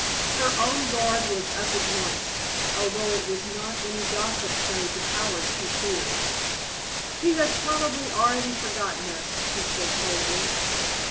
Her own guard was up at once, although it was not any gossip carried to Howard she feared. "He has probably already forgotten us," she said coldly.